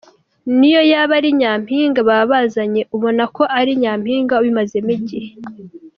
Niyo yaba ari Nyampinga baba bazanye ubona ko ari Nyampinga ubimazemo igihe.